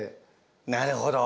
なるほど！